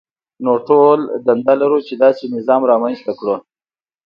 نو ټول دنده لرو چې داسې نظام رامنځته کړو.